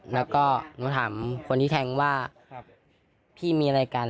แล้วก็หนูถามคนที่แทงว่าพี่มีอะไรกัน